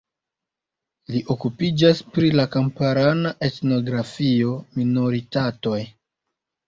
Li okupiĝas pri la kamparana etnografio, minoritatoj.